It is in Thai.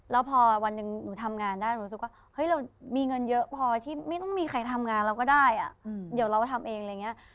แล้วพอขออันหนึ่งหนูทำงานได้อรุณรู้สึกว่าเรามีเงินเยอะพอที่ไม่ต้องมีใครทำงานเราก็ได้อ่ะเดี๋ยวเราทำเอง่ะ